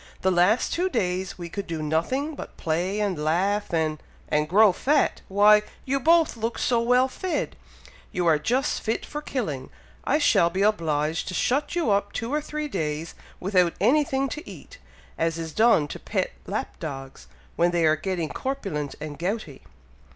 "The last two days we could do nothing but play and laugh, and" "And grow fat! Why! you both look so well fed, you are just fit for killing! I shall be obliged to shut you up two or three days, without anything to eat, as is done to pet lap dogs, when they are getting corpulent and gouty."